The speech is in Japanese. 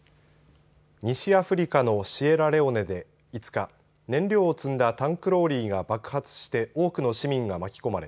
西アフリカのシエラレオネで５日、燃料を積んだタンクローリーが爆発して多くの市民が巻き込まれ